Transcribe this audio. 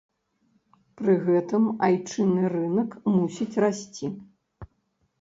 Пры гэтым айчынны рынак мусіць расці.